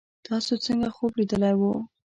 تاسو څنګه خوب لیدلی وو